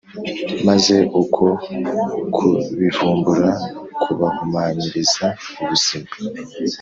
maze uko kubivumbura kubahumanyiriza ubuzima.